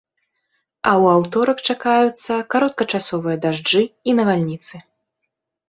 А ў аўторак чакаюцца кароткачасовыя дажджы і навальніцы.